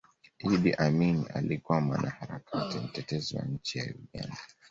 idi amini alikuwa mwanaharakati mtetezi wa nchi ya uganda